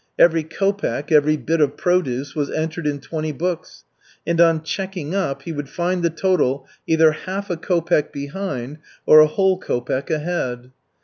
Every kopek, every bit of produce, was entered in twenty books, and on checking up he would find the total either half a kopek behind, or a whole kopek ahead.